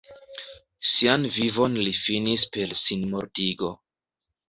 Sian vivon li finis per sinmortigo.